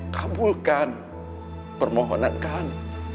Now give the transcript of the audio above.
kamu bukan permohonankan